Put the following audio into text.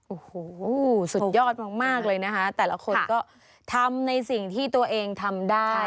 โอ้โหสุดยอดมากเลยนะคะแต่ละคนก็ทำในสิ่งที่ตัวเองทำได้